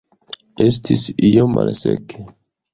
Estis iom malseke.